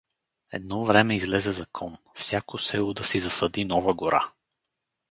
Едно време излезе закон: всяко село да си засади нова гора.